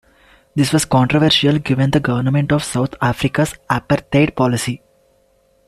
This was controversial given the government of South Africa's Apartheid policy.